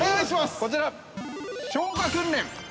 ◆こちら、消火訓練。